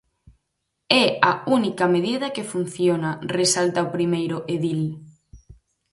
É a única medida que funciona, resalta o primeiro edil.